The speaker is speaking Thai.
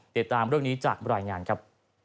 เดี๋ยวตามเรื่องนี้จากบรายงานครับ